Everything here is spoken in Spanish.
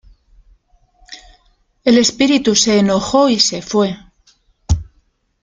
El espíritu se enojó y se fue.